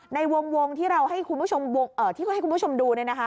ในวงที่เราให้คุณผู้ชมดู